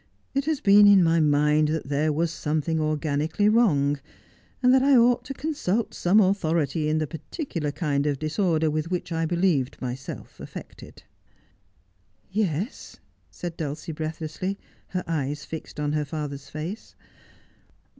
— it has been in my mind that there was something organically ■wrong, and that I ought to consult some authority in the par ticular kind of disorder with which I believed myself affected.' ' Yes, 3 said Dulcie breathlessly, her eyes fixed on her father's face.